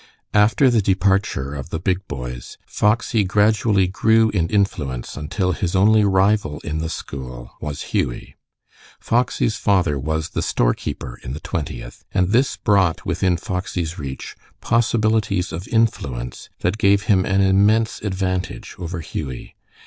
After the departure of the big boys, Foxy gradually grew in influence until his only rival in the school was Hughie. Foxy's father was the storekeeper in the Twentieth, and this brought within Foxy's reach possibilities of influence that gave him an immense advantage over Hughie.